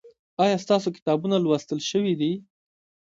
ایا ستاسو کتابونه لوستل شوي دي؟